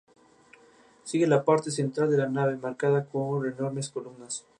Segismundo alcanzó la autoridad real de dos reinos: Polonia y Suecia.